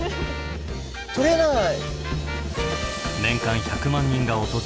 取れない？